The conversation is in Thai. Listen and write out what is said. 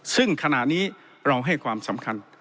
ซึ่งขณะนี้เราให้ความสำคัญ